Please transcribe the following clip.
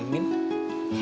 kok mama diemin